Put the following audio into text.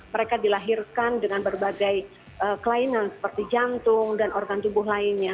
mereka dilahirkan dengan berbagai kelainan seperti jantung dan organ tubuh lainnya